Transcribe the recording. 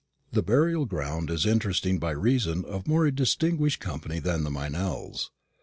The burial ground is interesting by reason of more distinguished company than the Meynells.